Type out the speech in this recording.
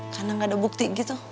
karena gak ada bukti gitu